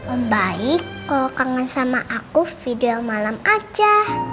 om baik kalo kangen sama aku video yang malam aja